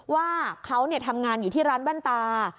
ว่าเขาเนี่ยทำงานอยู่ที่ร้านบ้านตา